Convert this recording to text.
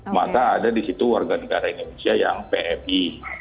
maka ada di situ warga negara indonesia yang pmi